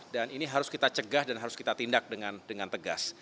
dan ini harus kita cegah dan harus kita tindak dengan tegas